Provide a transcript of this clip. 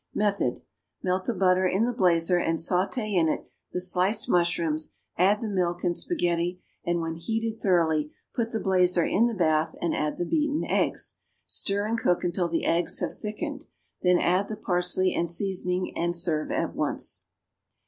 Method. Melt the butter in the blazer and sauté in it the sliced mushrooms; add the milk and spaghetti, and, when heated thoroughly, put the blazer in the bath and add the beaten eggs. Stir and cook until the eggs have thickened; then add the parsley and seasoning, and serve at once.